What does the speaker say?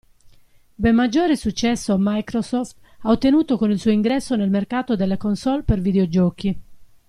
Ben maggiore successo Microsoft ha ottenuto con il suo ingresso nel mercato delle console per videogiochi.